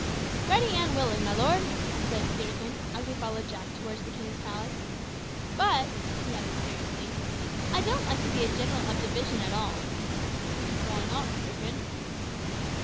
"Ready and willing, my lord," said Peterkin, as we followed Jack towards the king's palace. "But," he added seriously, "I don't like to be a general of division at all." "Why not, Peterkin?"